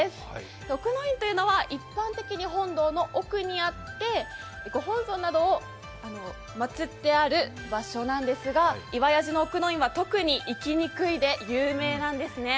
奥の院というのは一般的に本堂の奥にあって、ご本尊などをまつってある場所なんですが、岩屋寺の奥の院は特に「行きにくい」で有名なんですよね。